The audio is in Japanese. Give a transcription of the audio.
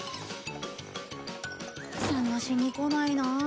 探しに来ないなあ。